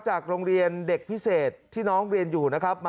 จากโรงเรียนเด็กพิเศษที่น้องเรียนอยู่นะครับ